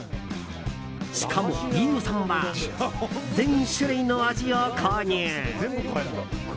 しかも飯尾さんは全種類の味を購入。